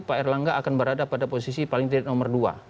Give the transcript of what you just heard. pak erlangga akan berada pada posisi paling tidak nomor dua